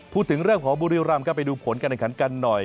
พูดถึงเรื่องของบุริรัมดร์ก็ไปดูผลกันกันหน่อย